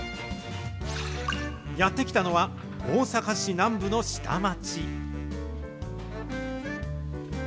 やって来たのは、大阪市南部の下町。